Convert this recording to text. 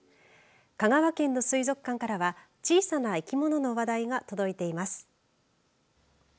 香川県の水族館からは小さな生き物の話題が届いています。